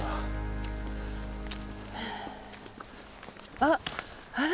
あっあら？